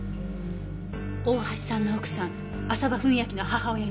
大橋さんの奥さん浅羽史明の母親よ。